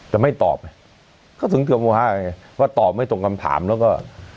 แต่ไม่ตอบเขาถึงเตรียมว่าไงว่าตอบไม่ตรงคำถามแล้วก็